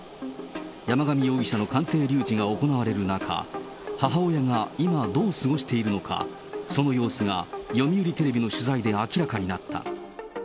山上容疑者の鑑定留置が行われる中、母親が、今どう過ごしているのか、その様子が読売テレビの取材で明らかになった。